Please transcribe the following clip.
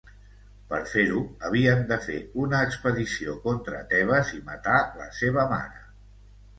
Per fer-ho, havien de fer una expedició contra Tebes i matar la seva mare.